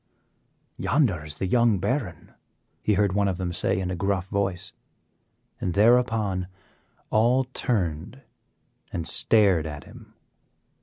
"Yonder is the young baron," he heard one of them say in a gruff voice, and thereupon all turned and stared at him.